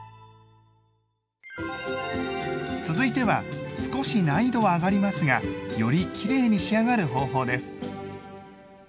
続いては少し難易度は上がりますがよりきれいに仕上がる方法です。